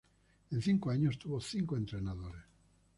En cinco años, tuvo cinco entrenadores.